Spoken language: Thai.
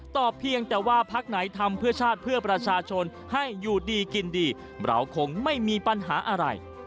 เพียงแต่ว่าพักไหนทำเพื่อชาติเพื่อประชาชนให้อยู่ดีกินดีเราคงไม่มีปัญหาอะไร